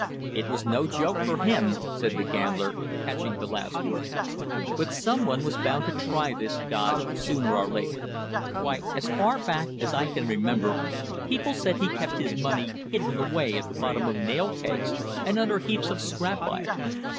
"It was no joke for him!" said the gambler, catching the last word. "But some one was bound to try this dodge sooner or later. Why, as far back as I can remember, people said he kept his money hidden away at the bottom of nail kegs and under heaps of scrap iron."